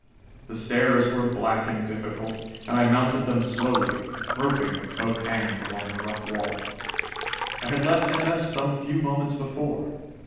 The stairs were black and difficult, and I mounted them slowly, groping with both hands along the rough wall. I had left M. S. some few moments before.